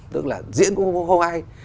tức là diễn cũng không ai